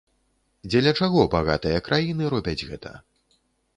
Дзеля чаго багатыя краіны робяць гэта?